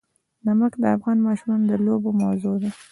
نمک د افغان ماشومانو د لوبو موضوع ده.